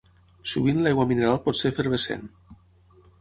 Sovint l'aigua mineral pot ser efervescent.